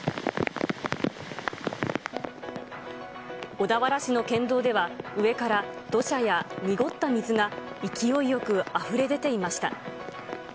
小田原市の県道では、上から土砂や濁った水が勢いよくあふれ出ていました。